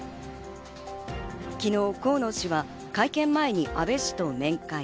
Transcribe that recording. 昨日、河野氏は会見前に安倍氏と面会。